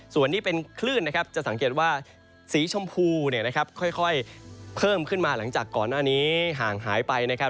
ส่วนนี้เป็นคลื่นนะครับจะสังเกตว่าสีชมพูเนี่ยนะครับค่อยเพิ่มขึ้นมาหลังจากก่อนหน้านี้ห่างหายไปนะครับ